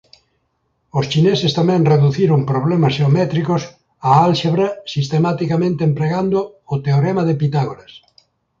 Os chineses tamén reduciron problemas xeométricos á álxebra sistematicamente empregando o teorema de Pitágoras.